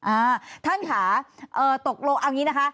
อ่าท่านค่ะตกลงเอาอย่างนี้นะคะ